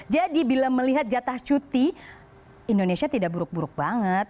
jadi bila melihat jatah cuti indonesia tidak buruk buruk banget